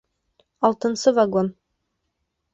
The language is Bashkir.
Алтынсы вагон